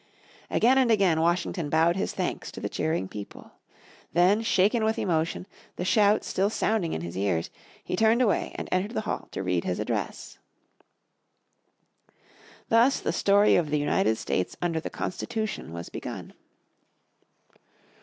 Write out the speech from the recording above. Again and again Washington bowed his thanks to the cheering people. Then, shaken with emotion, the shouts still sounding in his ears, he turned away and entered the hall to read his address. Thus the Story of the United States under the Constitution was begun.